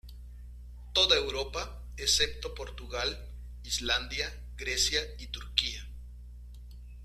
Toda Europa excepto Portugal, Islandia, Grecia y Turquía.